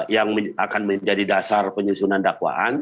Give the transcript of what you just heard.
yang akan menjadi dasar penyusunan dakwaan